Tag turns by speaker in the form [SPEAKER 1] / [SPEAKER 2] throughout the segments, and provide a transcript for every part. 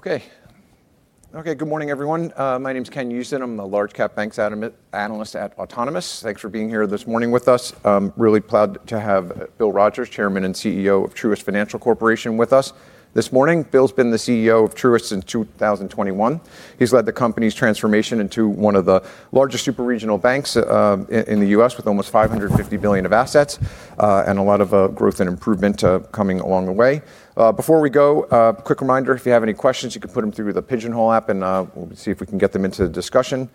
[SPEAKER 1] Good morning, everyone. My name's Ken Usdin. I'm the large-cap banks analyst at Autonomous. Thanks for being here this morning with us. I'm really proud to have Bill Rogers, Chairman and Chief Executive Officer of Truist Financial Corporation, with us this morning. Bill has been the Chief Executive Officer of Truist since 2021. He's led the company's transformation into one of the largest super-regional banks in the U.S., with almost $550 billion of assets, and a lot of growth and improvement coming along the way. Before we go, a quick reminder: if you have any questions, you can put them through the Pigeonhole Live, and we'll see if we can get them into the discussion.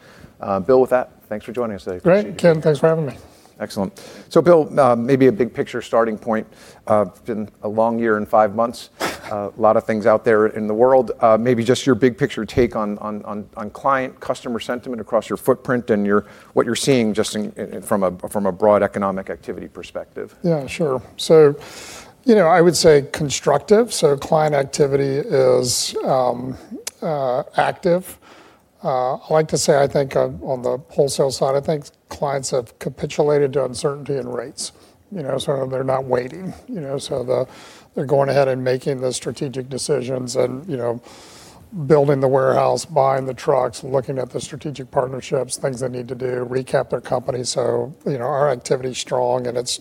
[SPEAKER 1] Bill with that, thanks for joining us. I appreciate it.
[SPEAKER 2] Great, Ken. Thanks for having me.
[SPEAKER 1] Excellent. Bill, maybe a big-picture starting point. It's been a long year and five months, a lot of things out there in the world. Maybe just your big-picture take on client customer sentiment across your footprint and what you're seeing just from a broad economic activity perspective.
[SPEAKER 2] Yeah, sure. I would say constructive. Client activity is active. I like to say I think on the wholesale side, I think clients have capitulated to uncertainty and rates. They're not waiting. They're going ahead and making the strategic decisions and building the warehouse, buying the trucks, looking at the strategic partnerships—things they need to do, recap their company. Our activity's strong, and it's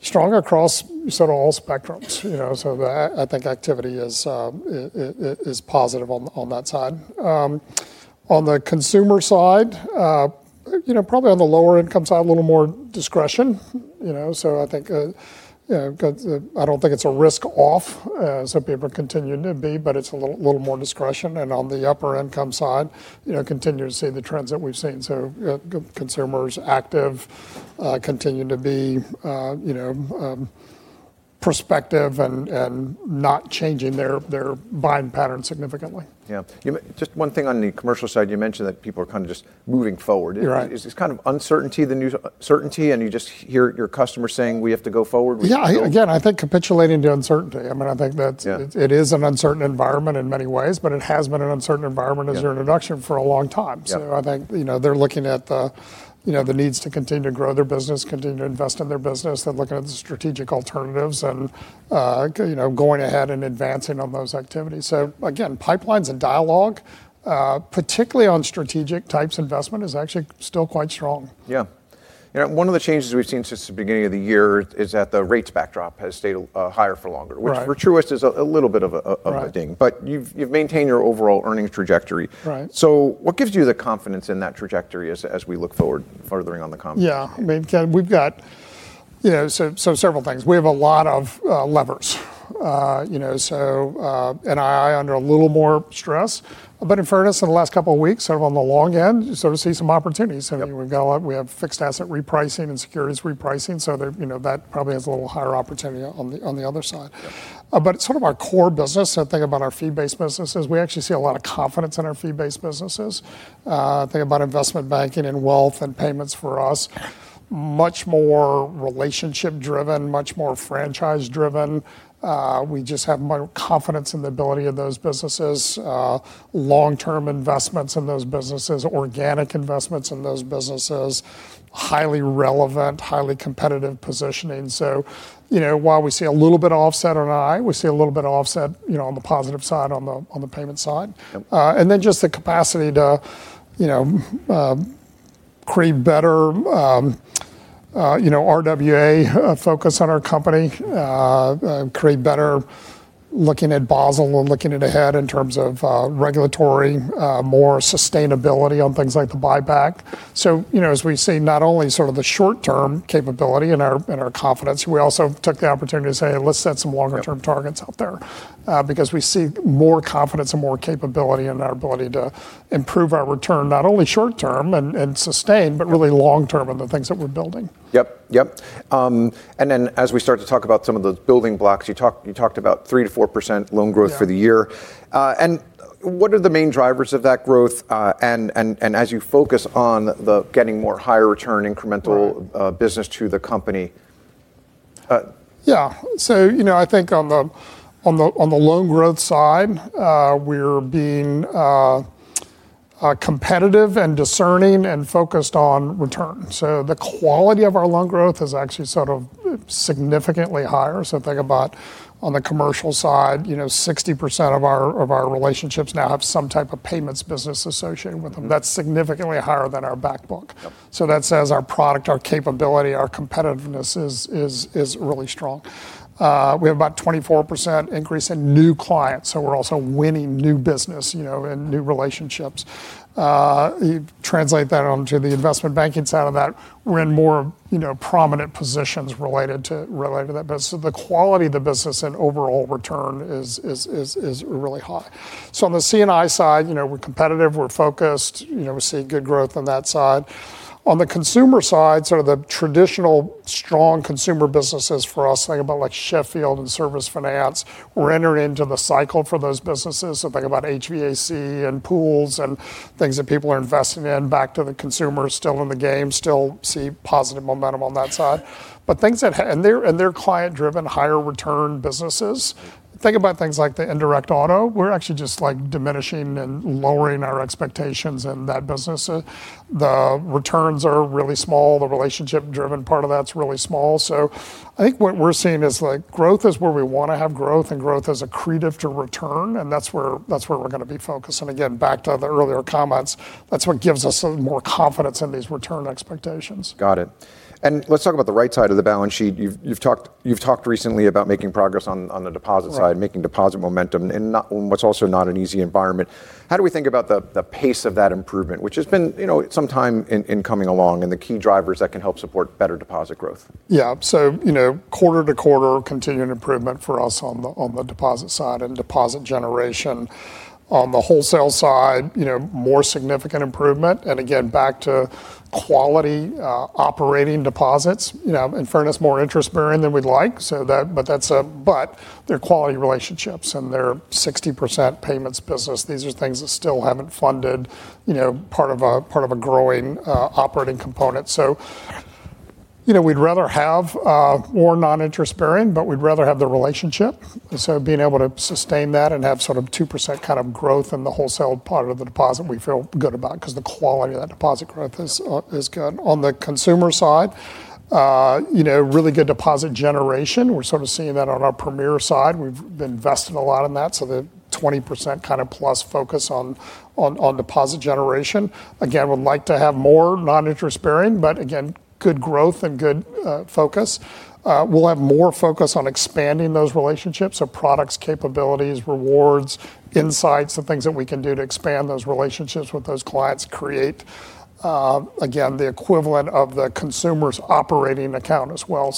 [SPEAKER 2] strong across all spectrums. I think activity is positive on that side. On the consumer side, probably on the lower-income side, a little more discretion. I don't think it's a risk-off. Some people are continuing to be, but it's a little more discretion. On the upper income side, continue to see the trends that we've seen. Consumers are active, continue to be prospective, and are not changing their buying patterns significantly.
[SPEAKER 1] Yeah. Just one thing on the commercial side: you mentioned that people are kind of just moving forward.
[SPEAKER 2] Right.
[SPEAKER 1] It's kind of uncertainty, the new certainty, and you just hear your customers saying, We have to go forward. We have to go.
[SPEAKER 2] Yeah. Again, I think capitulating to uncertainty. I think that.
[SPEAKER 1] Yeah
[SPEAKER 2] It is an uncertain environment in many ways, but it has been an uncertain environment.
[SPEAKER 1] Yeah
[SPEAKER 2] as your introduction, for a long time.
[SPEAKER 1] Yeah.
[SPEAKER 2] I think they're looking at the need to continue to grow their business and continue to invest in their business. They're looking at the strategic alternatives and going ahead and advancing on those activities. Again, pipelines and dialogue, particularly on strategic types of investment, are actually still quite strong.
[SPEAKER 1] Yeah. One of the changes we've seen since the beginning of the year is that the rates backdrop has stayed higher for longer.
[SPEAKER 2] Right
[SPEAKER 1] which for Truist is a little bit of a ding.
[SPEAKER 2] Right.
[SPEAKER 1] You've maintained your overall earnings trajectory.
[SPEAKER 2] Right.
[SPEAKER 1] What gives you the confidence in that trajectory as we look forward, furthering the conversation?
[SPEAKER 2] Yeah. Ken, we've got several things. We have a lot of levers. NII is under a little more stress. In fairness, in the last couple of weeks, on the long end, you sort of see some opportunities. We have fixed asset repricing and securities repricing. That probably has a little higher opportunity on the other side.
[SPEAKER 1] Yeah.
[SPEAKER 2] Sort of our core business, I think about our fee-based businesses, we actually see a lot of confidence in our fee-based businesses. Think about investment banking and wealth and payments for us. Much more relationship-driven, much more franchise-driven. We just have more confidence in the ability of those businesses, long-term investments in those businesses, organic investments in those businesses. Highly relevant, highly competitive positioning. While we see a little bit of offset on NII, we see a little bit of offset on the positive side, on the payment side.
[SPEAKER 1] Yep.
[SPEAKER 2] Just the capacity to create better RWA focus on our company, create better looking at Basel, and looking ahead in terms of regulatory, more sustainability on things like the buyback. As we see not only the short-term capability in our confidence, we also took the opportunity to say, Let's set some longer-term targets out there. We see more confidence and more capability in our ability to improve our return, not only short-term and sustained but really long-term in the things that we're building.
[SPEAKER 1] Yep. As we start to talk about some of those building blocks, you talked about 3%-4% loan growth for the year.
[SPEAKER 2] Yeah.
[SPEAKER 1] What are the main drivers of that growth, and as you focus on getting more higher return incremental-
[SPEAKER 2] Right
[SPEAKER 1] business to the company?
[SPEAKER 2] Yeah. I think on the loan growth side, we're being competitive and discerning and focused on return. The quality of our loan growth is actually sort of significantly higher. Think about on the commercial side, 60% of our relationships now have some type of payments business associated with them. That's significantly higher than our back book.
[SPEAKER 1] Yep.
[SPEAKER 2] That says our product, our capability, our competitiveness is really strong. We have about a 24% increase in new clients, we're also winning new business and new relationships. You translate that onto the investment banking side of that, we're in more prominent positions related to that business. The quality of the business and overall return is really high. On the C&I side, we're competitive, we're focused. We see good growth on that side. On the consumer side, sort of the traditional strong consumer businesses for us, think about like Sheffield and Service Finance, we're entering into the cycle for those businesses. Think about HVAC and pools and things that people are investing in back to the consumer, still in the game, still see positive momentum on that side. They're client-driven, higher-return businesses. Think about things like the indirect auto. We're actually just diminishing and lowering our expectations in that business. The returns are really small. The relationship-driven part of that's really small. I think what we're seeing is growth is where we want to have growth, and growth is accretive to return, and that's where we're going to be focused. Again, back to the earlier comments, that's what gives us more confidence in these return expectations.
[SPEAKER 1] Got it. Let's talk about the right side of the balance sheet. You've talked recently about making progress on the deposit side.
[SPEAKER 2] Right
[SPEAKER 1] Making deposit momentum in what's also not an easy environment. How do we think about the pace of that improvement, which has been some time in coming along, and the key drivers that can help support better deposit growth?
[SPEAKER 2] Yeah. Quarter-to-quarter, continuing improvement for us on the deposit side and deposit generation. On the wholesale side, more significant improvement, and again, back to quality operating deposits. In fairness, more interest-bearing than we'd like, but they're quality relationships, and they're a 60% payments business. These are things that still haven't funded part of a growing operating component. We'd rather have more non-interest-bearing, but we'd rather have the relationship. Being able to sustain that and have a sort of 2% kind of growth in the wholesale part of the deposit, we feel good about because the quality of that deposit growth is good. On the consumer side, really good deposit generation. We're sort of seeing that on our Premier side. We've been investing a lot in that. The 20% kind of plus focus on deposit generation. Again, I would like to have more non-interest-bearing, but again, good growth and good focus. We'll have more focus on expanding those relationships. Products, capabilities, rewards, and insights: the things that we can do to expand those relationships with those clients create, again, the equivalent of the consumer's operating account as well.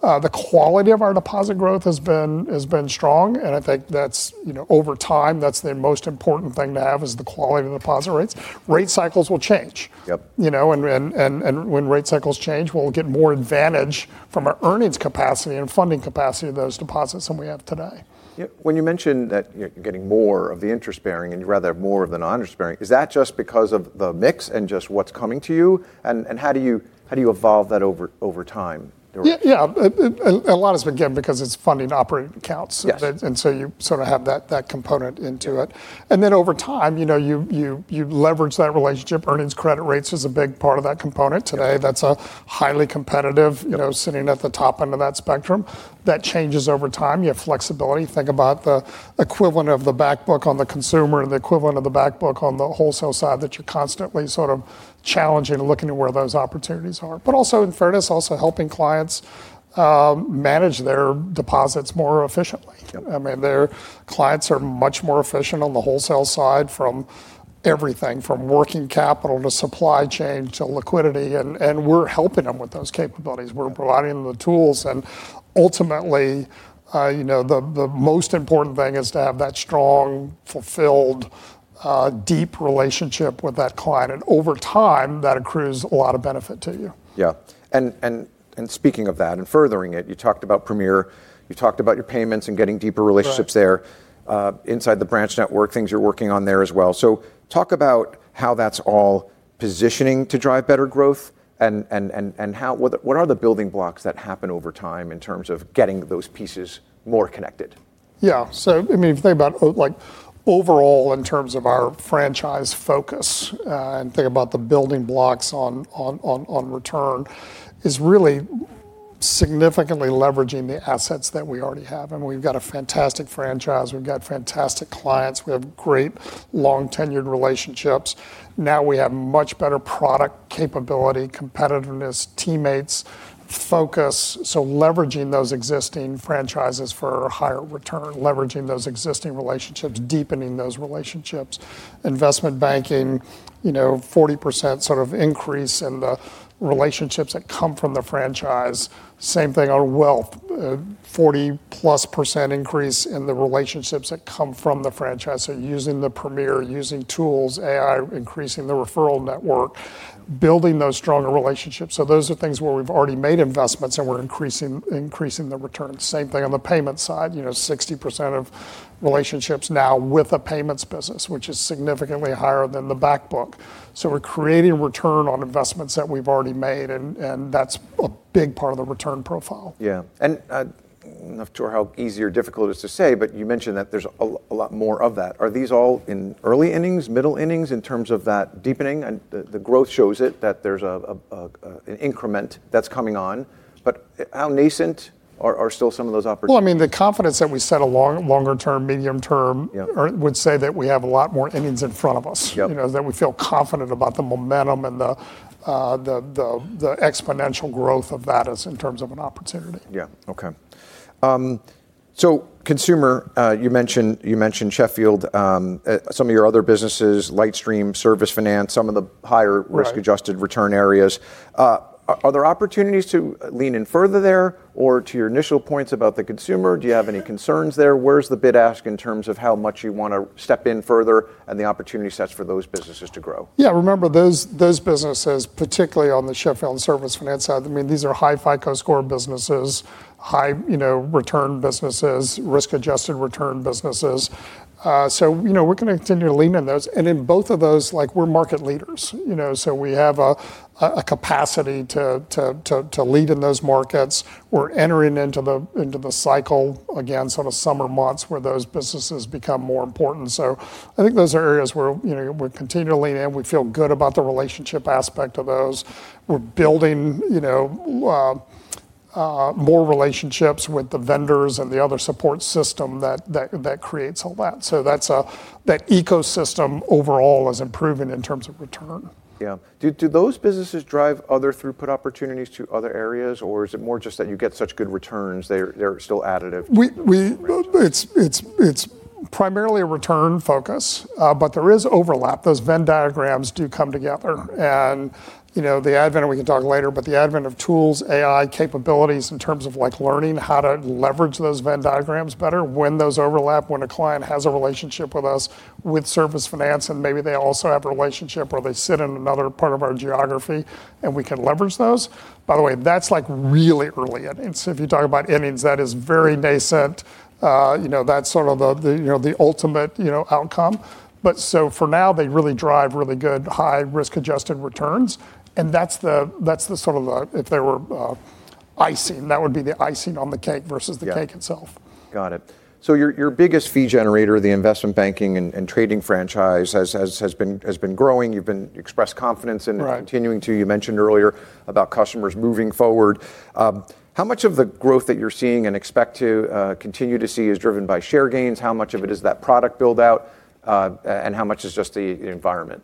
[SPEAKER 2] The quality of our deposit growth has been strong, and I think over time, that's the most important thing to have, the quality of the deposit rates. Rate cycles will change.
[SPEAKER 1] Yep.
[SPEAKER 2] When rate cycles change, we'll get more advantage from our earnings capacity and funding capacity of those deposits than we have today.
[SPEAKER 1] When you mention that you're getting more of the interest-bearing and you'd rather more of the non-interest-bearing, is that just because of the mix and just what's coming to you? How do you evolve that over time?
[SPEAKER 2] Yeah. A lot of it's, again, because it's funding operating accounts.
[SPEAKER 1] Yes.
[SPEAKER 2] You sort of have that component in it. Over time, you leverage that relationship. Earnings credit rates is a big part of that component today. That's a highly competitive, sitting at the top end of that spectrum. That changes over time. You have flexibility. Think about the equivalent of the back book on the consumer and the equivalent of the back book on the wholesale side, that you're constantly sort of challenging and looking at where those opportunities are. Also in fairness, also helping clients manage their deposits more efficiently.
[SPEAKER 1] Yep.
[SPEAKER 2] Their clients are much more efficient on the wholesale side from everything, from working capital to supply chain to liquidity, and we're helping them with those capabilities. We're providing the tools, and ultimately, the most important thing is to have that strong, fulfilled, deep relationship with that client. Over time, that accrues a lot of benefit to you.
[SPEAKER 1] Yeah. Speaking of that and furthering it, you talked about Premier, you talked about your payments and getting deeper relationships there.
[SPEAKER 2] Right.
[SPEAKER 1] Inside the branch network, things you're working on there as well. Talk about how that's all positioning to drive better growth, and what are the building blocks that happen over time in terms of getting those pieces more connected?
[SPEAKER 2] Yeah. If you think about it overall in terms of our franchise focus and think about the building blocks on return, it is really significantly leveraging the assets that we already have. We've got a fantastic franchise. We've got fantastic clients. We have great long-tenured relationships. Now we have much better product capability, competitiveness, teammates, and focus. Leveraging those existing franchises for higher return, leveraging those existing relationships, deepening those relationships. Investment banking, a 40% sort of increase in the relationships that come from the franchise. Same thing on wealth. +40% increase in the relationships that come from the franchise. Using the Premier, using tools, AI, increasing the referral network, and building those stronger relationships. Those are things where we've already made investments, and we're increasing the returns. Same thing on the payment side. 60% of relationships are now with the payments business, which is significantly higher than the back book. We're creating return on investments that we've already made, and that's a big part of the return profile.
[SPEAKER 1] Yeah. I'm not sure how easy or difficult it is to say, but you mentioned that there's a lot more of that. Are these all in early innings, middle innings, in terms of that deepening? The growth shows it, that there's an increment that's coming on. How nascent are still some of those opportunities?
[SPEAKER 2] Well, the confidence that we set a longer-term, medium-term—
[SPEAKER 1] Yeah
[SPEAKER 2] ...would say that we have a lot more innings in front of us.
[SPEAKER 1] Yep.
[SPEAKER 2] That we feel confident about the momentum and the exponential growth that is in terms of an opportunity.
[SPEAKER 1] Okay. Consumer, you mentioned Sheffield, some of your other businesses, LightStream, Service Finance, and some of the higher risk adjusted return areas. Are there opportunities to lean in further there? Or to your initial points about the consumer, do you have any concerns there? Where's the bid ask in terms of how much you want to step in further, and the opportunity sets for those businesses to grow?
[SPEAKER 2] Yeah. Remember, those businesses, particularly on the Sheffield and Service Finance side, these are high FICO score businesses, high return businesses, risk-adjusted return businesses. We're going to continue to lean in those. In both of those, we're market leaders. We have a capacity to lead in those markets. We're entering into the cycle again, sort of the summer months, where those businesses become more important. I think those are areas where we're continuing to lean in. We feel good about the relationship aspect of those. We're building more relationships with the vendors and the other support system that creates all that. That ecosystem overall is improving in terms of return.
[SPEAKER 1] Yeah. Do those businesses drive other throughput opportunities to other areas, or is it more just that you get such good returns, they're still additive to the franchise?
[SPEAKER 2] Primarily a return focus, but there is overlap. Those Venn diagrams do come together, and we can talk later, but the advent of tools and AI capabilities in terms of learning how to leverage those Venn diagrams better when those overlap, when a client has a relationship with us, with Service Finance, and maybe they also have a relationship, or they sit in another part of our geography, and we can leverage those. By the way, that's really early innings. If you talk about innings, that is very nascent. That's sort of the ultimate outcome. For now, they really drive really good high risk-adjusted returns, and that's the sort of the, if there were icing, that would be the icing on the cake versus the cake itself.
[SPEAKER 1] Got it. Your biggest fee generator, the investment banking and trading franchise, has been growing. You've expressed confidence in it—
[SPEAKER 2] Right
[SPEAKER 1] ...continuing too. You mentioned earlier about customers moving forward. How much of the growth that you're seeing and expect to continue to see is driven by share gains? How much of it is that product build-out? How much is just the environment?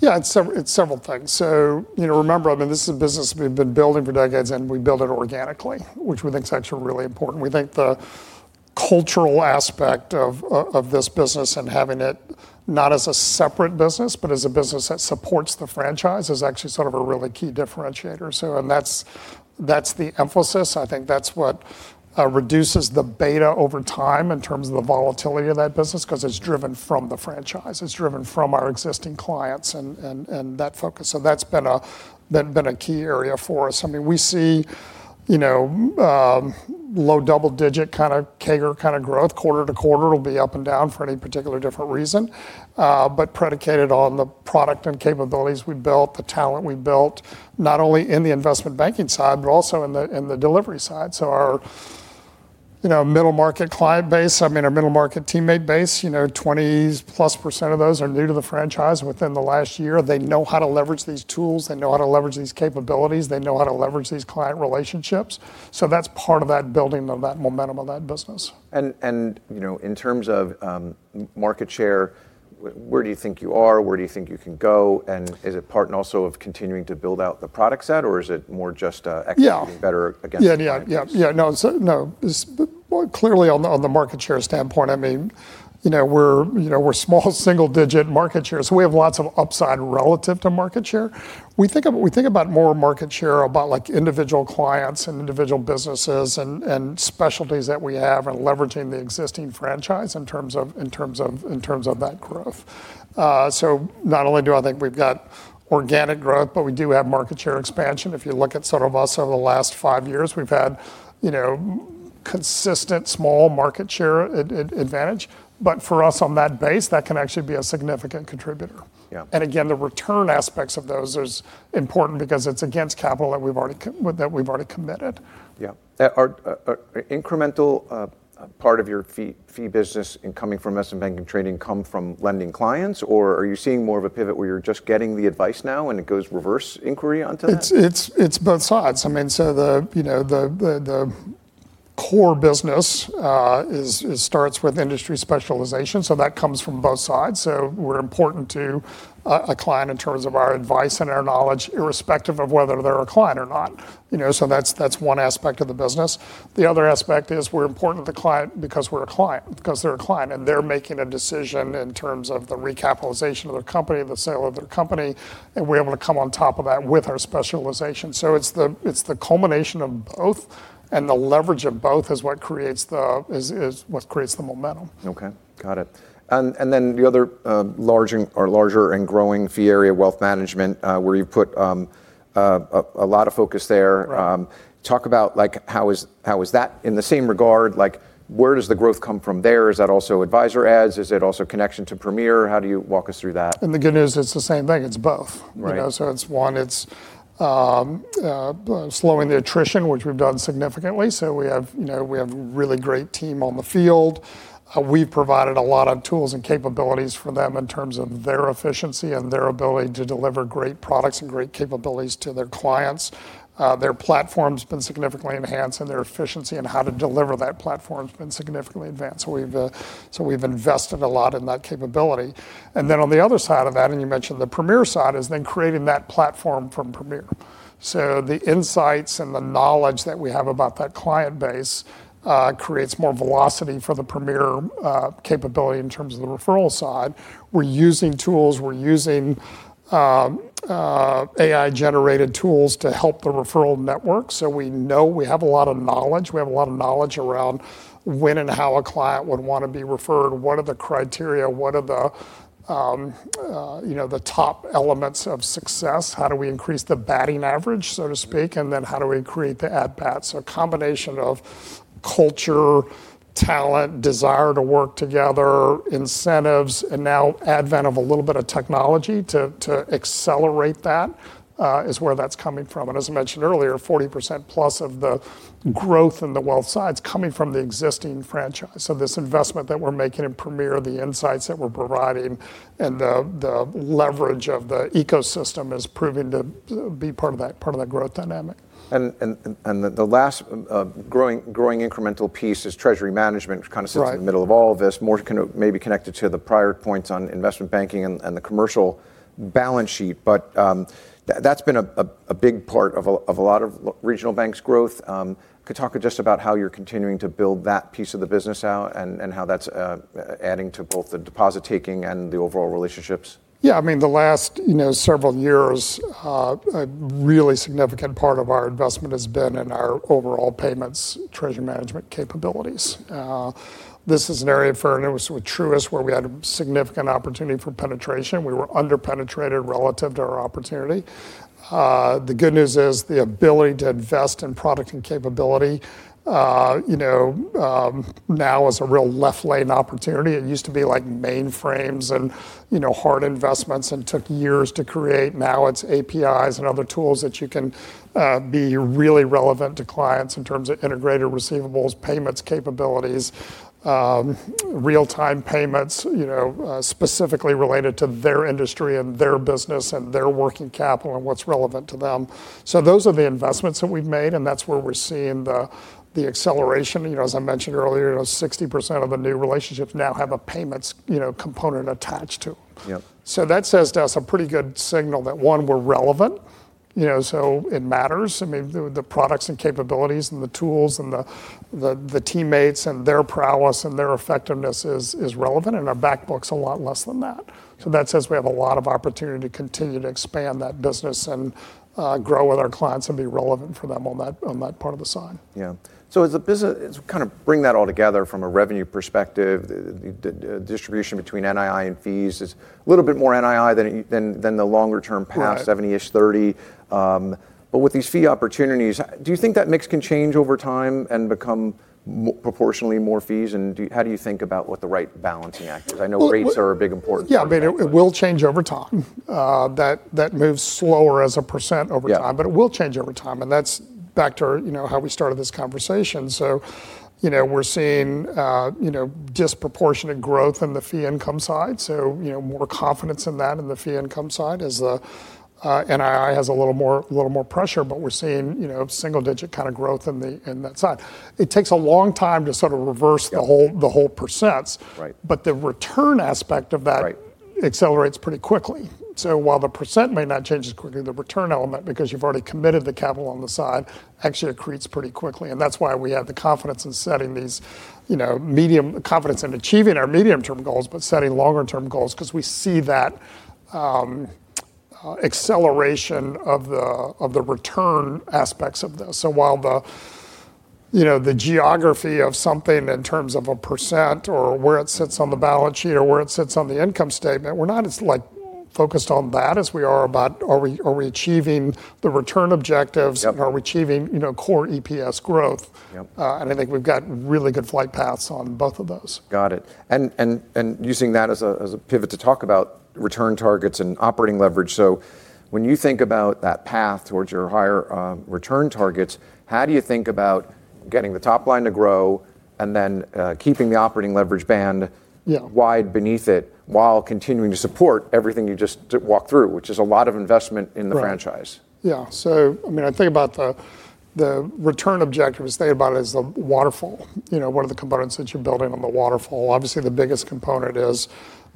[SPEAKER 2] Yeah. It's several things. Remember, this is a business we've been building for decades, and we build it organically, which we think is actually really important. We think the cultural aspect of this business and having it not as a separate business but as a business that supports the franchise is actually sort of a really key differentiator. That's the emphasis. I think that's what reduces the beta over time in terms of the volatility of that business, because it's driven from the franchise. It's driven from our existing clients and that focus. That's been a key area for us. We see low double-digit kind of CAGR growth quarter-to-quarter. It'll be up and down for any particular different reason. Predicated on the product and capabilities we've built and the talent we've built, not only in the investment banking side but also in the delivery side. Our middle-market client base and our middle-market teammate base, +20% of those are new to the franchise within the last year. They know how to leverage these tools. They know how to leverage these capabilities. They know how to leverage these client relationships. That's part of that building of that momentum of that business.
[SPEAKER 1] In terms of market share, where do you think you are? Where do you think you can go? Is it part and also of continuing to build out the product set, or is it more just executing-
[SPEAKER 2] Yeah
[SPEAKER 1] better against the competition?
[SPEAKER 2] Yeah. No, certainly, no. Clearly, on the market share standpoint, we're a small, single-digit market share. We have lots of upside relative to market share. We think about more market share about individual clients and individual businesses and specialties that we have and leveraging the existing franchise in terms of that growth. Not only do I think we've got organic growth, but we do have market share expansion. If you look at some of us over the last five years, we've had a consistent small market share advantage. For us on that base, that can actually be a significant contributor.
[SPEAKER 1] Yeah.
[SPEAKER 2] Again, the return aspects of those is important because it's against capital that we've already committed.
[SPEAKER 1] Yeah. Are incremental part of your fee business incoming from investment banking trading come from lending clients, or are you seeing more of a pivot where you're just getting the advice now, and it goes reverse inquiry onto that?
[SPEAKER 2] It's both sides. The core business starts with industry specialization, so that comes from both sides. We're important to a client in terms of our advice and our knowledge, irrespective of whether they're a client or not. That's one aspect of the business. The other aspect is we're important to the client because they're a client, and they're making a decision in terms of the recapitalization of their company, the sale of their company, and we're able to come on top of that with our specialization. It's the culmination of both, and the leverage of both is what creates the momentum.
[SPEAKER 1] Okay, got it. The other larger and growing fee area is wealth management, where you've put a lot of focus.
[SPEAKER 2] Right.
[SPEAKER 1] Talk about how, in the same regard, where does the growth come from there? Is that also advisor adds? Is it also connected to Premier? Walk us through that.
[SPEAKER 2] The good news is it's the same thing. It's both.
[SPEAKER 1] Right.
[SPEAKER 2] It's, one, it's slowing the attrition, which we've done significantly. We have a really great team on the field. We've provided a lot of tools and capabilities for them in terms of their efficiency and their ability to deliver great products and great capabilities to their clients. Their platform's been significantly enhanced, and their efficiency in how to deliver that platform's been significantly advanced. We've invested a lot in that capability. On the other side of that, and you mentioned the Premier side, is then creating that platform from Premier. The insights and the knowledge that we have about that client base create more velocity for the Premier capability in terms of the referral side. We're using AI-generated tools to help the referral network, so we know we have a lot of knowledge. We have a lot of knowledge around when and how a client would want to be referred. What are the criteria? What are the top elements of success? How do we increase the batting average, so to speak, how do we create the add-ons? A combination of culture, talent, desire to work together, incentives, and now the advent of a little bit of technology to accelerate that is where that's coming from. As I mentioned earlier, +40% of the growth in the wealth side is coming from the existing franchise. This investment that we're making in Premier, the Insights that we're providing, and the leverage of the ecosystem is proving to be part of that growth dynamic.
[SPEAKER 1] The last growing incremental piece is treasury management, which kind of sits in the middle of all of this, more maybe connected to the prior points on investment banking and the commercial balance sheet. That's been a big part of a lot of regional banks' growth. Could you talk just about how you're continuing to build that piece of the business out and how that's adding to both the deposit-taking and the overall relationships?
[SPEAKER 2] Yeah. I mean, the last several years, a really significant part of our investment has been in our overall payments treasury management capabilities. This is an area for Truist, where we had a significant opportunity for penetration. We were under-penetrated relative to our opportunity. The good news is the ability to invest in product and capability, now is a real left lane opportunity. It used to be like mainframes and hard investments and took years to create. Now it's APIs and other tools that you can be really relevant to clients in terms of integrated receivables, payments capabilities, real-time payments, specifically related to their industry and their business and their working capital and what's relevant to them. Those are the investments that we've made, and that's where we're seeing the acceleration. As I mentioned earlier, 60% of the new relationships now have a payments component attached to them.
[SPEAKER 1] Yep.
[SPEAKER 2] That says to us a pretty good signal that, one, we're relevant, so it matters. I mean, the products and capabilities and the tools and the teammates and their prowess and their effectiveness is relevant. In our back books, a lot less than that. That says we have a lot of opportunity to continue to expand that business and grow with our clients and be relevant for them on that part of the side.
[SPEAKER 1] Yeah. As a business, kind of bring that all together from a revenue perspective, the distribution between NII and fees is a little bit more NII than the longer-term path, 70-ish, 30.
[SPEAKER 2] Right.
[SPEAKER 1] With these fee opportunities, do you think that mix can change over time and become proportionally more fees? How do you think about what the right balancing act is? I know rates are a big, important part of that.
[SPEAKER 2] Yeah. I mean, it will change over time. That moves slower as a percent over time.
[SPEAKER 1] Yeah.
[SPEAKER 2] It will change over time, and that's back to how we started this conversation. We're seeing disproportionate growth in the fee income side, so more confidence in that, in the fee income side. NII has a little more pressure, but we're seeing single-digit kind of growth on that side. It takes a long time to sort of reverse the whole percent.
[SPEAKER 1] Right.
[SPEAKER 2] The return aspect of that—
[SPEAKER 1] Right
[SPEAKER 2] ...accelerates pretty quickly. While the percent may not change as quickly, the return element, because you've already committed the capital on the side, actually accretes pretty quickly, and that's why we have the confidence in achieving our medium-term goals, but setting longer-term goals because we see that acceleration of the return aspects of this. While the geography of something in terms of a percent, or where it sits on the balance sheet, or where it sits on the income statement, we're not as focused on that as we are about, are we achieving the return objectives.
[SPEAKER 1] Yep
[SPEAKER 2] Are we achieving core EPS growth?
[SPEAKER 1] Yep.
[SPEAKER 2] I think we've got really good flight paths on both of those.
[SPEAKER 1] Got it. Using that as a pivot to talk about return targets and operating leverage. When you think about that path towards your higher return targets, how do you think about getting the top line to grow and then keeping the operating leverage band wide beneath it, while continuing to support everything you just walked through, which is a lot of investment in the franchise?
[SPEAKER 2] Right. Yeah. I think about the return objective, think about it as the waterfall. What are the components that you're building on the waterfall? Obviously, the biggest component is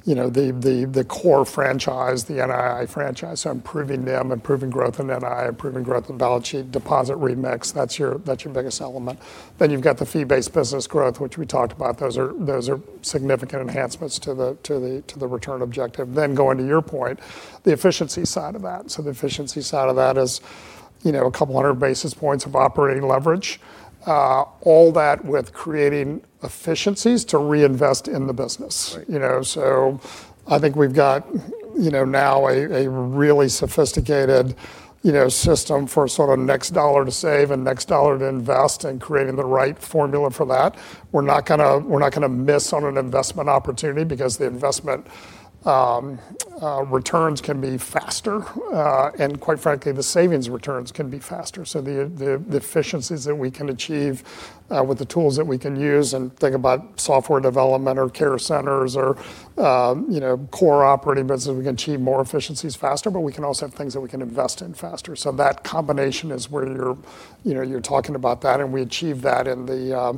[SPEAKER 2] the core franchise, the NII franchise. Improving them, improving growth in NII, improving growth in the balance sheet, and deposit remix, that's your biggest element. You've got the fee-based business growth, which we talked about. Those are significant enhancements to the return objective. Going to your point, the efficiency side of that. The efficiency side of that is a couple of hundred basis points of operating leverage. All that with creating efficiencies to reinvest in the business.
[SPEAKER 1] Right.
[SPEAKER 2] I think we've got, now, a really sophisticated system for sort of the next dollar to save and the next dollar to invest, and creating the right formula for that. We're not going to miss out on an investment opportunity because the investment returns can be faster, and quite frankly, the savings returns can be faster. The efficiencies that we can achieve with the tools that we can use and think about software development or care centers or core operating business, we can achieve more efficiencies faster. We can also have things that we can invest in faster. That combination is where you're talking about that, and we achieve that in the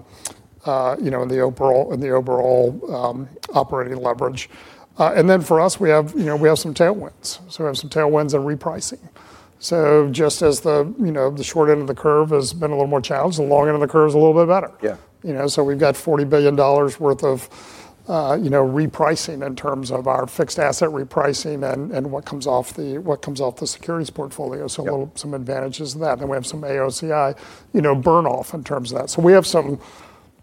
[SPEAKER 2] overall operating leverage. For us, we have some tailwinds. We have some tailwinds and repricing. Just as the short end of the curve has been a little more challenged, the long end of the curve is a little bit better.
[SPEAKER 1] Yeah.
[SPEAKER 2] We've got $40 billion worth of repricing in terms of our fixed asset repricing and what comes off the securities portfolio.
[SPEAKER 1] Yep.
[SPEAKER 2] Some advantages of that. We have some AOCI burn-off in terms of that. We have some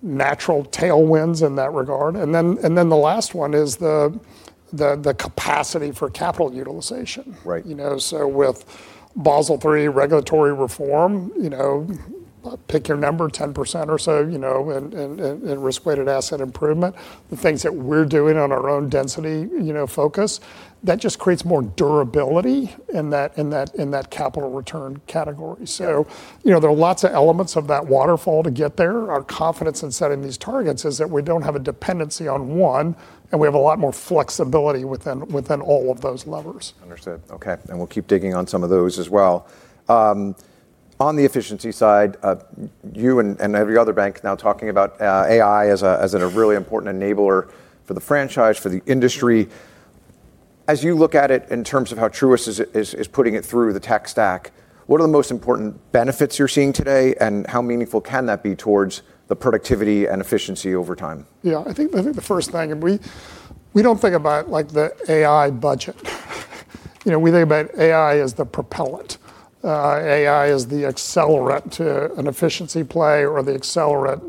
[SPEAKER 2] natural tailwinds in that regard. The last one is the capacity for capital utilization.
[SPEAKER 1] Right.
[SPEAKER 2] With Basel III regulatory reform, you know, pick your number, 10% or so, in risk-weighted asset improvement, the things that we're doing on our own density focus, that just creates more durability in that capital return category. There are lots of elements of that waterfall to get there. Our confidence in setting these targets is that we don't have a dependency on one, and we have a lot more flexibility within all of those levers.
[SPEAKER 1] Understood. Okay. We'll keep digging on some of those as well. On the efficiency side, you and every other bank are now talking about AI as a really important enabler for the franchise, for the industry. As you look at it in terms of how Truist is putting it through the tech stack, what are the most important benefits you're seeing today, and how meaningful can that be towards productivity and efficiency over time?
[SPEAKER 2] Yeah. I think the first thing is we don't think about the AI budget. We think about AI as the propellant, AI as the accelerant to an efficiency play, or the accelerant,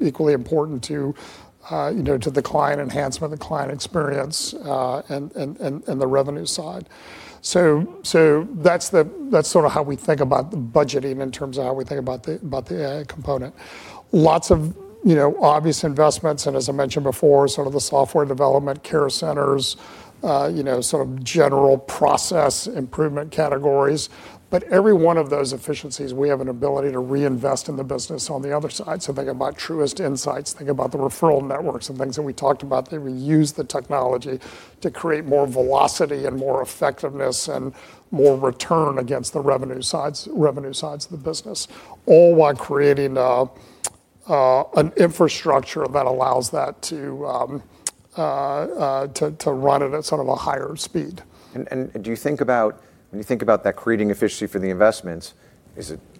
[SPEAKER 2] equally important to the client enhancement, the client experience, and the revenue side. That's how we think about the budgeting in terms of how we think about the AI component. Lots of obvious investments, and as I mentioned before, some of the software development care centers, sort of general process improvement categories. Every one of those efficiencies, we have an ability to reinvest in the business on the other side. Think about Truist Insights, think about the referral networks, and things that we talked about that we use the technology to create more velocity and more effectiveness and more return against the revenue sides of the business, all while creating an infrastructure that allows that to run it at sort of a higher speed.
[SPEAKER 1] When you think about that creating efficiency for the investments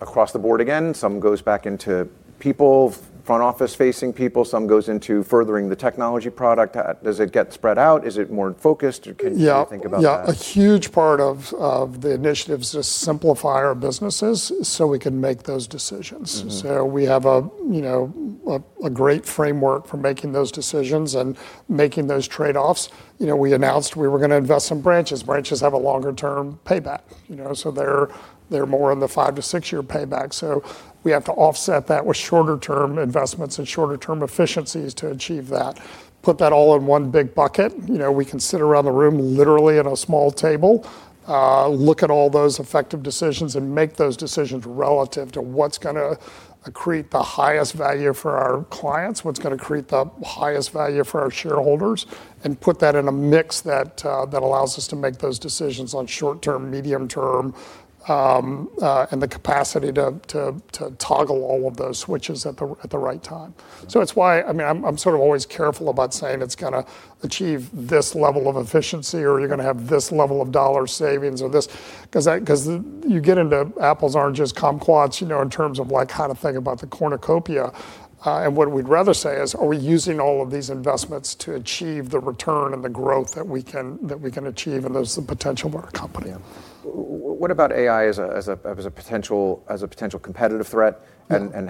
[SPEAKER 1] across the board again? Some goes back into people, front office-facing people, some goes into furthering the technology product. Does it get spread out? Is it more focused? Can you think about that?
[SPEAKER 2] Yeah. A huge part of the initiative is to simplify our businesses so we can make those decisions. We have a great framework for making those decisions and making those trade-offs. We announced we were going to invest in branches. Branches have a longer-term payback, so they're more in the five- to six-year payback. We have to offset that with shorter-term investments and shorter-term efficiencies to achieve that. Put that all in one big bucket. We can sit around the room literally at a small table, look at all those effective decisions, and make those decisions relative to what's going to create the highest value for our clients, what's going to create the highest value for our shareholders, and put that in a mix that allows us to make those decisions on short-term, medium-term, and the capacity to toggle all of those switches at the right time. It's why I'm sort of always careful about saying it's going to achieve this level of efficiency, or you're going to have this level of dollar savings, or this, because you get into apples, oranges, and kumquats in terms of how to think about the cornucopia. What we'd rather say is, are we using all of these investments to achieve the return and the growth that we can achieve, and those are the potential of our company.
[SPEAKER 1] What about AI as a potential competitive threat?
[SPEAKER 2] Yeah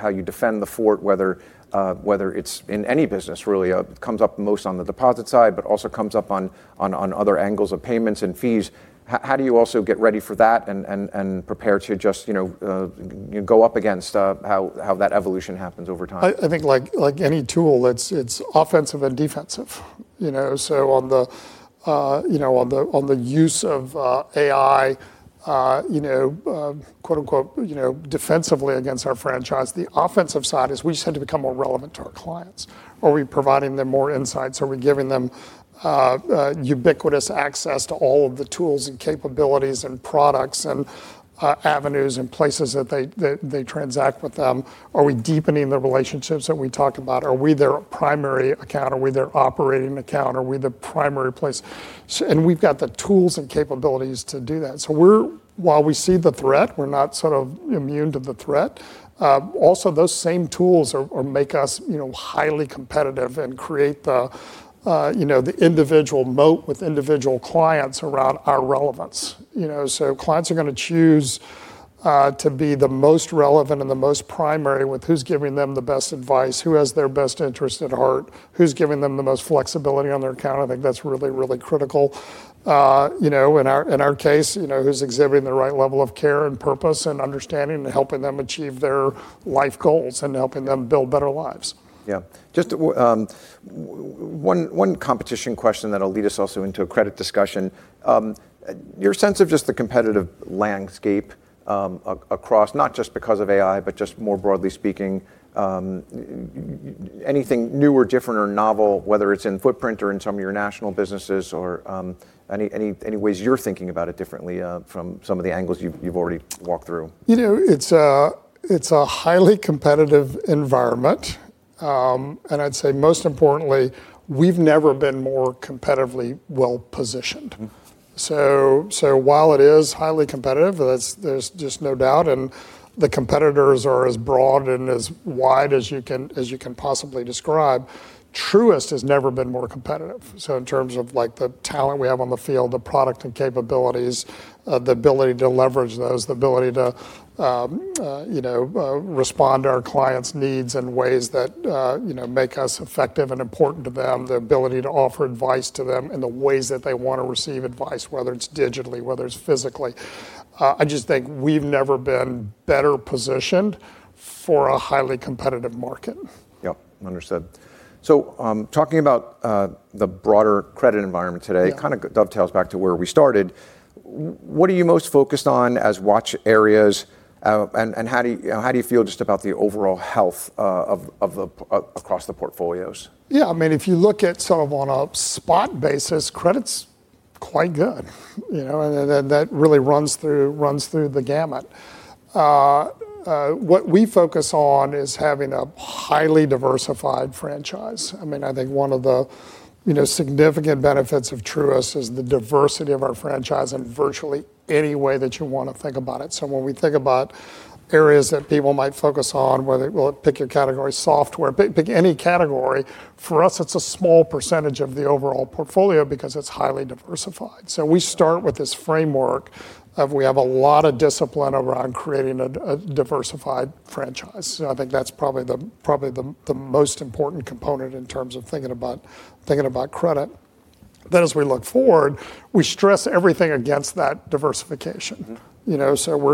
[SPEAKER 1] How you defend the fort, whether it's in any business really, comes up most on the deposit side but also comes up on other angles of payments and fees. How do you also get ready for that and prepare to just go up against how that evolution happens over time?
[SPEAKER 2] I think, like any tool, it's offensive and defensive. On the use of AI quote unquote, defensively against our franchise, the offensive side is we just have to become more relevant to our clients. Are we providing them more insights? Are we giving them ubiquitous access to all of the tools and capabilities and products and avenues and places that they transact with them? Are we deepening the relationships that we talk about? Are we their primary account? Are we their operating account? Are we the primary place? We've got the tools and capabilities to do that. While we see the threat, we're not immune to the threat. Also, those same tools make us highly competitive and create the individual moat with individual clients around our relevance. Clients are going to choose to be the most relevant and the most primary with whoever's giving them the best advice, who has their best interest at heart, and who's giving them the most flexibility on their account. I think that's really, really critical. In our case, who's exhibiting the right level of care and purpose and understanding, and helping them achieve their life goals, and helping them build better lives.
[SPEAKER 1] Yeah. Just one competition question that'll also lead us into a credit discussion. Your sense of just the competitive landscape, across, not just because of AI, but just more broadly speaking, anything new or different or novel, whether it's in footprint or in some of your national businesses or any ways you're thinking about it differently from some of the angles you've already walked through?
[SPEAKER 2] It's a highly competitive environment. I'd say most importantly, we've never been more competitively well-positioned. While it is highly competitive, there's just no doubt, and the competitors are as broad and as wide as you can possibly describe, Truist has never been more competitive. In terms of the talent we have on the field, the product and capabilities, the ability to leverage those, the ability to respond to our clients' needs in ways that make us effective and important to them, and the ability to offer advice to them in the ways that they want to receive advice, whether it's digitally, whether it's physically. I just think we've never been better positioned for a highly competitive market.
[SPEAKER 1] Yep. Understood. Talking about the broader credit environment today.
[SPEAKER 2] Yeah
[SPEAKER 1] dovetails back to where we started. What are you most focused on as watch areas, and how do you feel just about the overall health across the portfolios?
[SPEAKER 2] Yeah. If you look at sort of on a spot basis, credit's quite good. That really runs through the gamut. What we focus on is having a highly diversified franchise. I think one of the significant benefits of Truist is the diversity of our franchise in virtually any way that you want to think about it. When we think about areas that people might focus on, whether, well, pick your category, software, pick any category, for us, it's a small percentage of the overall portfolio because it's highly diversified. We start with this framework: we have a lot of discipline around creating a diversified franchise, and I think that's probably the most important component in terms of thinking about credit. As we look forward, we stress everything against that diversification. We're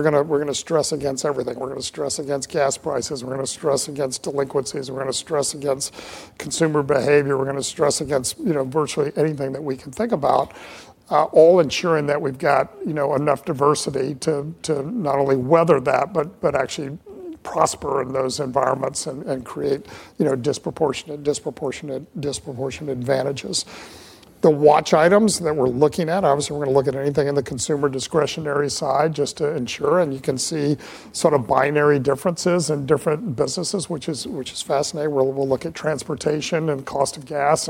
[SPEAKER 2] going to stress against everything. We're going to stress against gas prices. We're going to stress against delinquencies. We're going to stress against consumer behavior. We're going to stress against virtually anything that we can think about, all ensuring that we've got enough diversity to not only weather that but also actually prosper in those environments and create disproportionate advantages. The watch items that we're looking at, obviously, we're going to look at anything on the consumer discretionary side just to ensure, and you can see sort of binary differences in different businesses, which is fascinating. We'll look at transportation and the cost of gas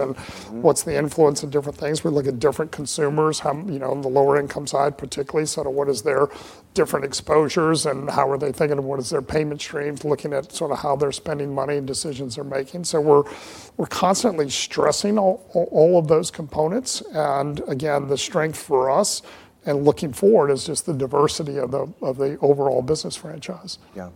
[SPEAKER 2] what's the influence of different things. We look at different consumers. On the lower-income side, particularly, what is their different exposures, how are they thinking, and what is their payment streams? Looking at how they're spending money and decisions they're making. We're constantly stressing all of those components. Again, the strength for us in looking forward is just the diversity of the overall business franchise.
[SPEAKER 1] Yeah.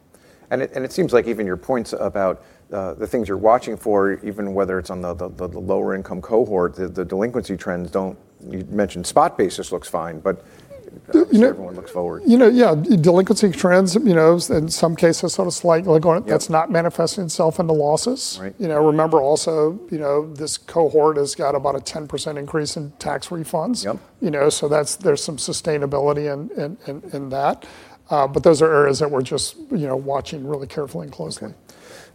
[SPEAKER 1] It seems like even your points about the things you're watching for, even whether it's on the lower income cohort, the delinquency trends don't. You mentioned spot basis looks fine, but as everyone looks forward.
[SPEAKER 2] Yeah. Delinquency trends, in some cases sort of slight. That's not manifesting itself into losses.
[SPEAKER 1] Right.
[SPEAKER 2] Remember also, this cohort has got about a 10% increase in tax refunds.
[SPEAKER 1] Yep.
[SPEAKER 2] There's some sustainability in that. Those are areas that we're just watching really carefully and closely.
[SPEAKER 1] Okay.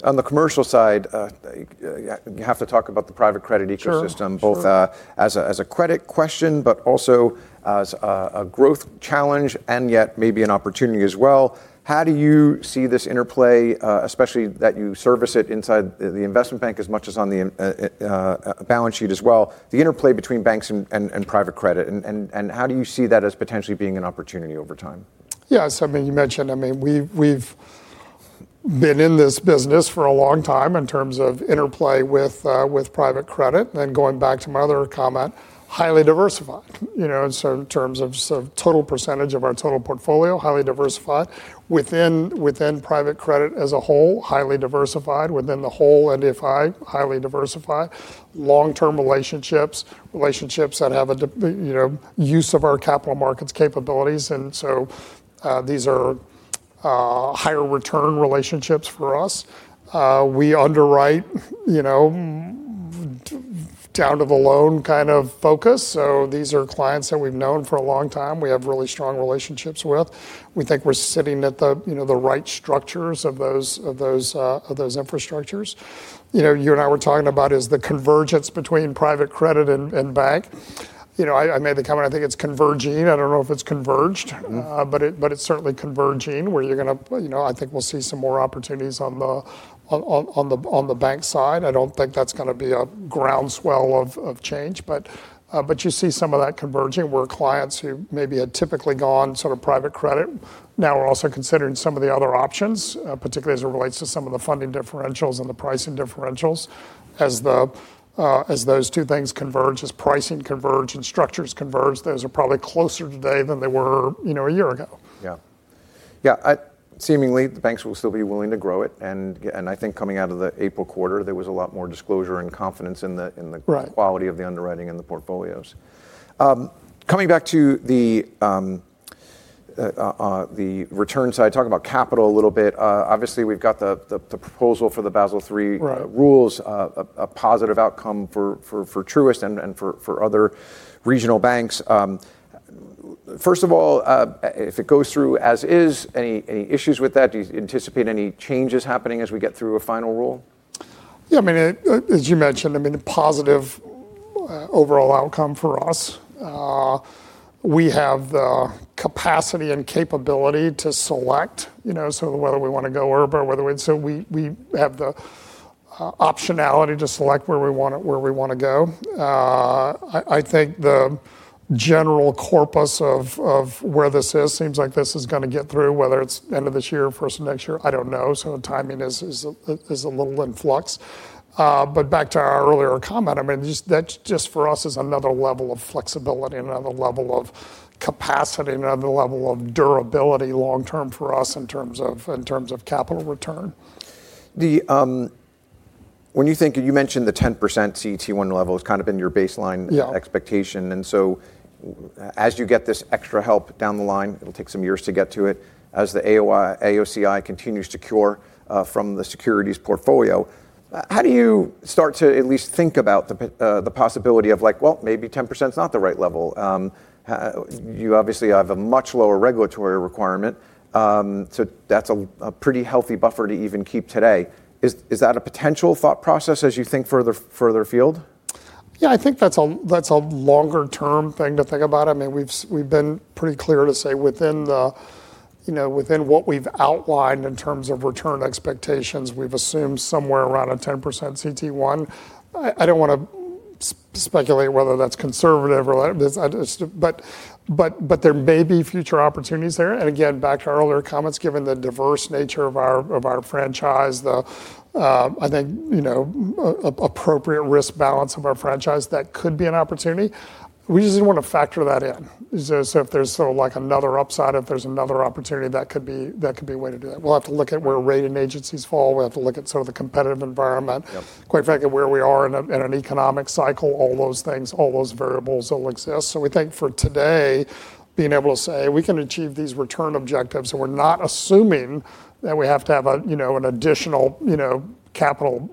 [SPEAKER 1] On the commercial side, you have to talk about the private credit ecosystem.
[SPEAKER 2] Sure
[SPEAKER 1] Both as a credit question and also as a growth challenge, and yet maybe an opportunity as well. How do you see this interplay, especially that you service it inside the investment bank as much as on the balance sheet as well, the interplay between banks and private credit? How do you see that as potentially being an opportunity over time?
[SPEAKER 2] Yes, you mentioned we've been in this business for a long time in terms of interplay with private credit. Going back to my other comment, highly diversified, in terms of the total percentage of our total portfolio, highly diversified. Within private credit as a whole, it is highly diversified. Within the whole NFI, highly diversified. Long-term relationships that have use of our capital markets capabilities. These are higher return relationships for us. We underwrite down to the loan kind of focus. These are clients that we've known for a long time, we have really strong relationships with. We think we're sitting at the right structures of those infrastructures. You and I were talking about the convergence between private credit and banks. I made the comment, I think it's converging. I don't know if it's converged. It's certainly converging, where I think we'll see some more opportunities on the bank side. I don't think that's going to be a groundswell of change. You see some of that converging, where clients who maybe had typically gone private credit, now are also considering some of the other options, particularly as it relates to some of the funding differentials and the pricing differentials. As those two things converge, as pricing converge, and structures converge, those are probably closer today than they were a year ago.
[SPEAKER 1] Yeah. Seemingly, the banks will still be willing to grow it, and I think coming out of the April quarter, there was a lot more disclosure and confidence—
[SPEAKER 2] Right
[SPEAKER 1] ...quality of the underwriting and the portfolios. Coming back to the return side, talk about capital a little bit. Obviously, we've got the proposal for the Basel III-
[SPEAKER 2] Right
[SPEAKER 1] ...rules, a positive outcome for Truist and for other regional banks. First of all, if it goes through as is, any issues with that? Do you anticipate any changes happening as we get through a final rule?
[SPEAKER 2] Yeah, as you mentioned, a positive overall outcome for us. We have the capacity and capability to select. We have the optionality to select where we want to go. I think the general corpus of where this is seems like this is going to get through, whether it's the end of this year or the first of next year, I don't know. The timing is a little in flux. Back to our earlier comment, that just for us is another level of flexibility, another level of capacity, and another level of durability long-term for us in terms of capital return.
[SPEAKER 1] You mentioned the 10% CET1 level as kind of being your baseline—
[SPEAKER 2] Yeah
[SPEAKER 1] ..expectation. As you get this extra help down the line, it'll take some years to get to it, as the AOCI continues to cure from the securities portfolio, how do you start to at least think about the possibility of, well, maybe 10% is not the right level? You obviously have a much lower regulatory requirement, that's a pretty healthy buffer to even keep today. Is that a potential thought process as you think further afield?
[SPEAKER 2] Yeah, I think that's a longer-term thing to think about. We've been pretty clear to say that within what we've outlined in terms of return expectations, we've assumed somewhere around a 10% CET1. I don't want to speculate whether that's conservative or not, but there may be future opportunities there. Again, back to our earlier comments, given the diverse nature of our franchise, I think an appropriate risk balance of our franchise could be an opportunity. We just want to factor that in. If there's another upside, if there's another opportunity, that could be a way to do that. We'll have to look at where rating agencies fall. We have to look at the competitive environment.
[SPEAKER 1] Yeah.
[SPEAKER 2] Quite frankly, where we are in an economic cycle, all those things, all those variables, all exist. We think for today, being able to say we can achieve these return objectives, and we're not assuming that we have to have an additional capital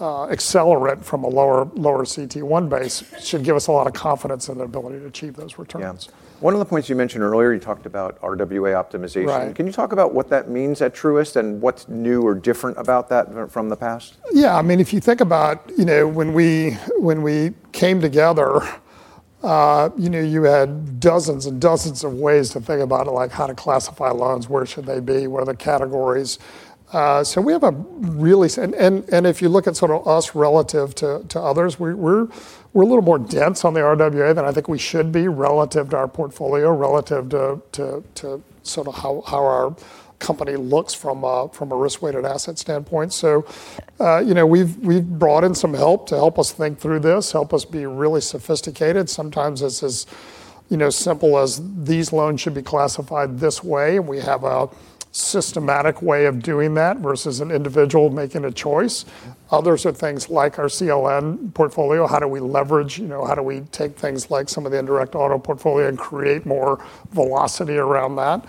[SPEAKER 2] accelerant from a lower CET1 base should give us a lot of confidence in the ability to achieve those returns.
[SPEAKER 1] Yeah. One of the points you mentioned earlier, you talked about RWA optimization.
[SPEAKER 2] Right.
[SPEAKER 1] Can you talk about what that means at Truist and what's new or different about that from the past?
[SPEAKER 2] Yeah. If you think about when we came together, you had dozens and dozens of ways to think about it, like how to classify loans, where they should be, and what the categories are. If you look at us relative to others, we're a little more dense on the RWA than I think we should be relative to our portfolio, relative to how our company looks from a risk-weighted asset standpoint. We've brought in some help to help us think through this and help us be really sophisticated. Sometimes it's as simple as these loans should be classified this way, and we have a systematic way of doing that versus an individual making a choice. Others are things like our CLN portfolio, how do we leverage, how do we take things like some of the indirect auto portfolio and create more velocity around that?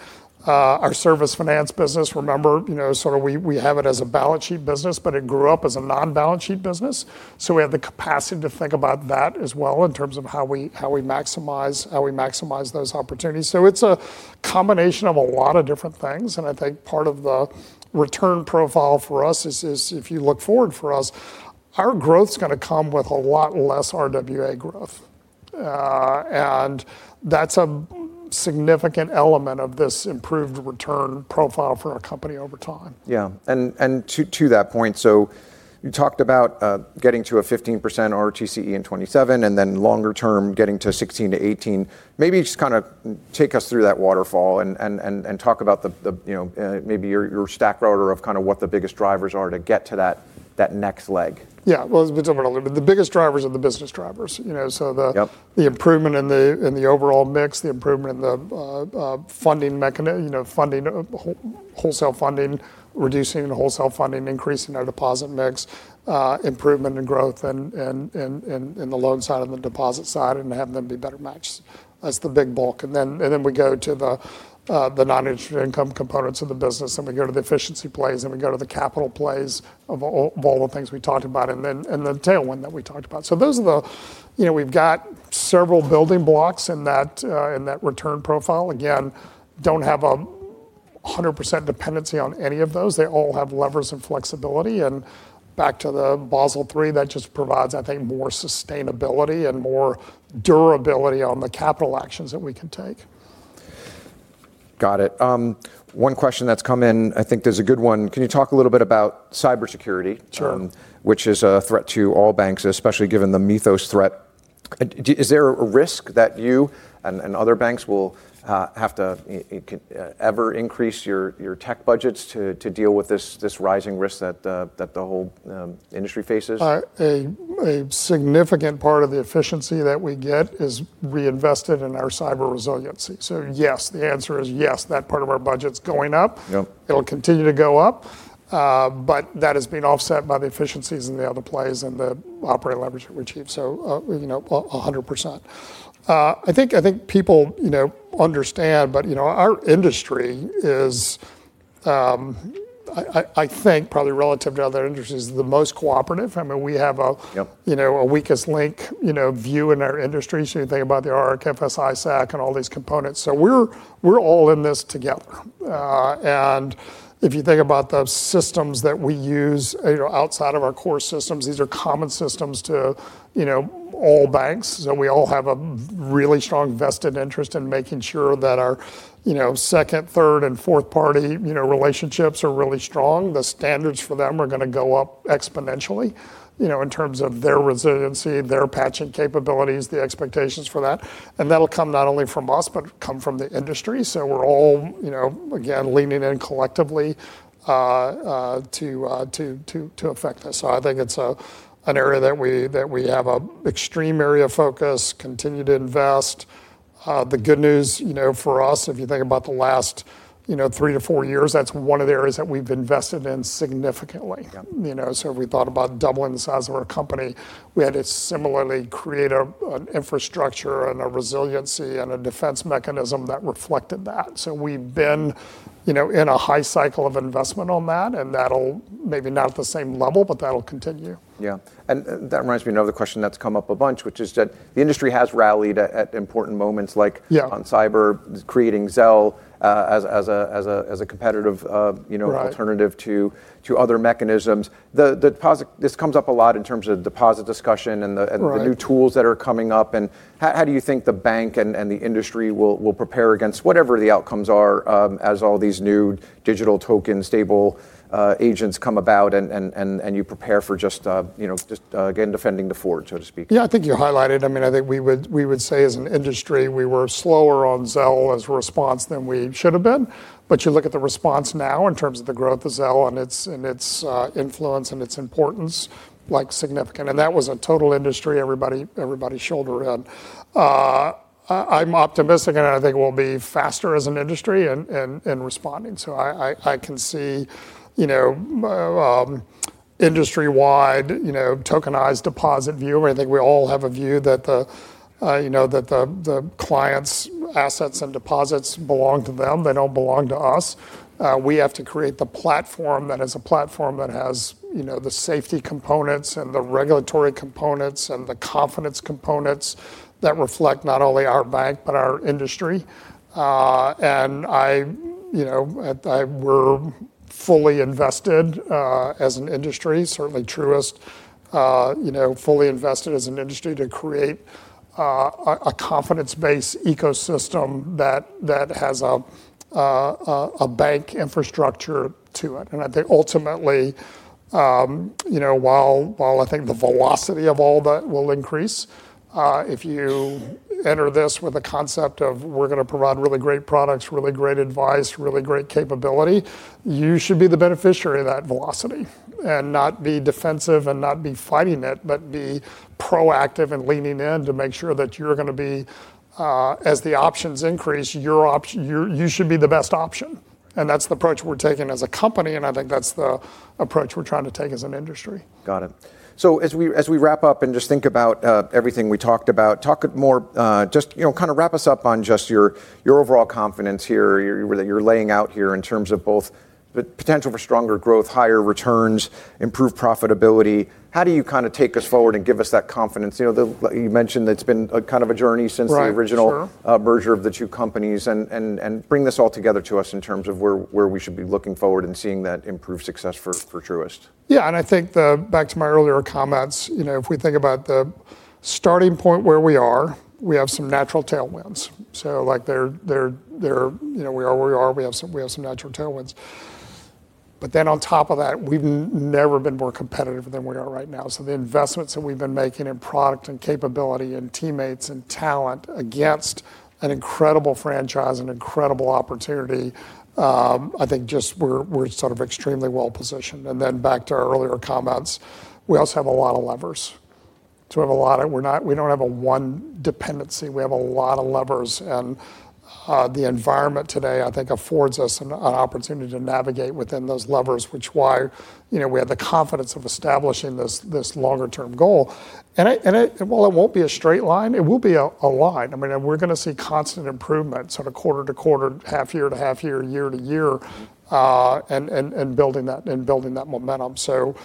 [SPEAKER 2] Our Service Finance business, remember, we have it as a balance sheet business, but it grew up as a non-balance sheet business. We have the capacity to think about that as well in terms of how we maximize those opportunities. It's a combination of a lot of different things, and I think part of the return profile for us is, if you look forward for us, our growth's going to come with a lot less RWA growth. That's a significant element of this improved return profile for our company over time.
[SPEAKER 1] Yeah. To that point, you talked about getting to a 15% ROTCE in 2027, and then longer term, getting to 16%-18%. Maybe just take us through that waterfall and talk about maybe your stack rank of what the biggest drivers are to get to that next leg.
[SPEAKER 2] Yeah. Well, we've talked about it a little bit. The biggest drivers are the business drivers.
[SPEAKER 1] Yep.
[SPEAKER 2] The improvement in the overall mix, the improvement in wholesale funding, reducing the wholesale funding, increasing our deposit mix, improvement and growth in the loan side and the deposit side, and having them be better matched. That's the big bulk. Then we go to the non-interest income components of the business, and we go to the efficiency plays, and we go to the capital plays of all the things we talked about, and then the tailwind that we talked about. We've got several building blocks in that return profile. Again, don't have a 100% dependency on any of those. They all have levers and flexibility. Back to Basel III, that just provides, I think, more sustainability and more durability on the capital actions that we can take.
[SPEAKER 1] Got it. One question that's come in, I think, is a good one. Can you talk a little bit about cybersecurity?
[SPEAKER 2] Sure.
[SPEAKER 1] Which is a threat to all banks, especially given the Mythos threat. Is there a risk that you and other banks will have to ever increase your tech budgets to deal with this rising risk that the whole industry faces?
[SPEAKER 2] A significant part of the efficiency that we get is reinvested in our cyber resiliency. Yes, the answer is yes, that part of our budget is going up.
[SPEAKER 1] Yep.
[SPEAKER 2] It'll continue to go up, but that is being offset by the efficiencies in the other plays and the operating leverage that we achieve. 100%. I think people understand, but our industry is, I think, probably relative to other industries, the most cooperative.
[SPEAKER 1] Yep
[SPEAKER 2] weakest link view in our industry. You think about the ARC, FS-ISAC, and all these components. We're all in this together. If you think about the systems that we use outside of our core systems, these are common systems to all banks. We all have a really strong vested interest in making sure that our second, third, and fourth-party relationships are really strong. The standards for them are going to go up exponentially in terms of their resiliency, their patching capabilities, the expectations for that. That'll come not only from us, but also from the industry. We're all, again, leaning in collectively to affect this. I think it's an area that we have an extreme area of focus on; continue to invest. The good news for us, if you think about the last three to four years, that's one of the areas that we've invested in significantly.
[SPEAKER 1] Yeah.
[SPEAKER 2] We thought about doubling the size of our company. We had to similarly create an infrastructure and resiliency and a defense mechanism that reflected that. We've been in a high cycle of investment on that, and that'll, maybe not at the same level, but that'll continue.
[SPEAKER 1] Yeah. That reminds me of another question that's come up a bunch, which is that the industry has rallied at important moments, like—
[SPEAKER 2] Yeah
[SPEAKER 1] ...on cyber, creating Zelle as a competitive-
[SPEAKER 2] Right
[SPEAKER 1] ...alternative to other mechanisms. This comes up a lot in terms of deposit discussion.
[SPEAKER 2] Right
[SPEAKER 1] The new tools that are coming up, how do you think the bank and the industry will prepare against whatever the outcomes are, as all these new digital tokens and stablecoins come about, and you prepare for just, again, defending the fort, so to speak?
[SPEAKER 2] Yeah, I think you highlighted. I think we would say, as an industry, we were slower on Zelle as a response than we should've been. You look at the response now in terms of the growth of Zelle and its influence and its importance, like significant, and that was a total industry, everybody's shoulder in. I'm optimistic, I think we'll be faster as an industry in responding. I can see an industry-wide tokenized deposit view. I think we all have a view that the client's assets and deposits belong to them. They don't belong to us. We have to create the platform that is a platform that has the safety components, the regulatory components, and the confidence components that reflect not only our bank but also our industry. We're fully invested, as an industry, certainly Truist, fully invested as an industry to create a confidence-based ecosystem that has a bank infrastructure to it. I think ultimately, while I think the velocity of all that will increase, if you enter this with a concept of we're going to provide really great products, really great advice, really great capability, you should be the beneficiary of that velocity. Not be defensive and not be fighting it, but be proactive and lean in to make sure that you're going to be, as the options increase, you should be the best option. That's the approach we're taking as a company, and I think that's the approach we're trying to take as an industry.
[SPEAKER 1] Got it. As we wrap up and just think about everything we talked about, talk more, just kind of wrap us up on just your overall confidence here. You're laying out here in terms of both the potential for stronger growth, higher returns, and improved profitability. How do you kind of take us forward and give us that confidence? You mentioned it's been kind of a journey since—
[SPEAKER 2] Right. Sure
[SPEAKER 1] ...the original merger of the two companies and bring this all together to us in terms of where we should be looking forward and seeing that improved success for Truist.
[SPEAKER 2] I think back to my earlier comments, if we think about the starting point where we are, we have some natural tailwinds. We are where we are. We have some natural tailwinds. On top of that, we've never been more competitive than we are right now. The investments that we've been making in product and capability and teammates and talent against an incredible franchise, an incredible opportunity, I think, just we're sort of extremely well positioned. Back to our earlier comments, we also have a lot of levers. We don't have one dependency. We have a lot of levers, and the environment today, I think, affords us an opportunity to navigate within those levers, which is why we have the confidence of establishing this longer-term goal. While it won't be a straight line, it will be a line. We're going to see constant improvement sort of quarter to quarter, half year to half year-to-year. Building that momentum.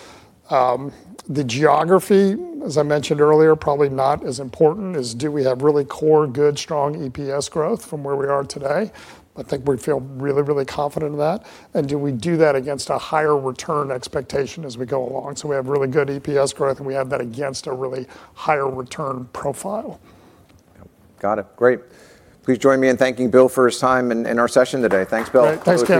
[SPEAKER 2] The geography, as I mentioned earlier, is probably not as important as do we have really core, good, strong EPS growth from where we are today. I think we feel really, really confident in that. Do we do that against a higher return expectation as we go along? We have really good EPS growth, and we have that against a really higher return profile.
[SPEAKER 1] Yep. Got it. Great. Please join me in thanking Bill for his time and our session today. Thanks, Bill.
[SPEAKER 2] Great. Thanks, Ken.